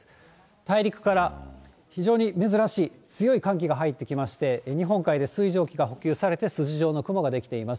大陸から非常に珍しい強い寒気が入ってきまして、日本海で水蒸気が補給されて、筋状の雲が出来ています。